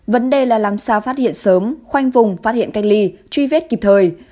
vấn đề là làm sao phát hiện sớm khoanh vùng phát hiện cách ly truy vết kịp thời